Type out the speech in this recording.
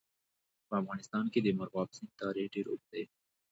په افغانستان کې د مورغاب سیند تاریخ ډېر اوږد دی.